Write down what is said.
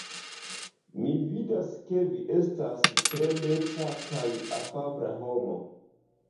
Mi vidas ke vi estas tre deca kaj afabla homo.